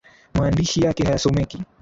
Maandishi yake hayasomeki